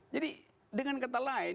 jadi dengan kata lain